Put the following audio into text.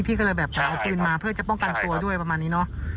พี่ก็เลยแบบขอเอาปืนมาเพื่อจะป้องกันตัวด้วยประมาณนี้เนอะ